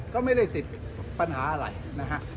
ก็ไม่ได้ติดปัญหาอะไรนะฮะ